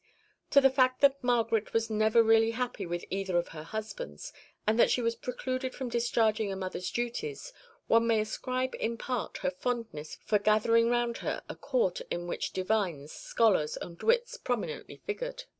To the fact that Margaret was never really happy with either of her husbands, and that she was precluded from discharging a mother's duties, one may ascribe, in part, her fondness for gathering round her a Court in which divines, scholars, and wits prominently figured.